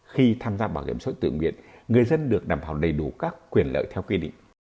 khi tham gia bảo hiểm xã hội tự nguyện người dân được đảm bảo đầy đủ các quyền lợi theo quy định